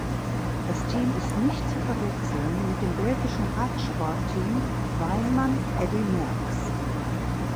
Das Team ist nicht zu verwechseln mit dem belgischen Radsportteam Weinmann–Eddy Merckx.